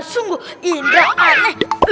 sungguh indra aneh